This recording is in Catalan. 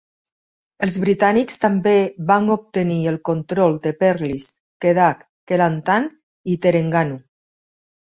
Els britànics també van obtenir el control de Perlis, Kedah, Kelantan i Terengganu.